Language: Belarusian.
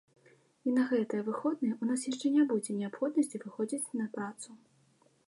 І на гэтыя выходныя ў нас яшчэ не будзе неабходнасці выходзіць на працу.